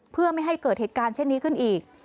เพื่อไม่ให้เกิดเหตุการณ์เช่นนี้ขึ้นอีก